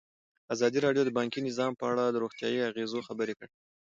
ازادي راډیو د بانکي نظام په اړه د روغتیایي اغېزو خبره کړې.